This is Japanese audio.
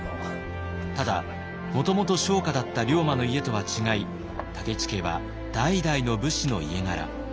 ただもともと商家だった龍馬の家とは違い武市家は代々の武士の家柄。